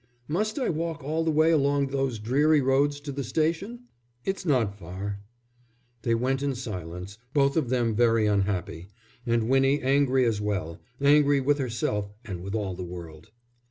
"Must I walk all the way along those dreary roads to the station?" "It's not far." They went in silence, both of them very unhappy, and Winnie angry as well, angry with herself and with all the world.